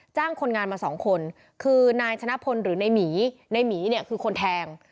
คนงานมาสองคนคือนายชนะพลหรือในหมีในหมีเนี่ยคือคนแทง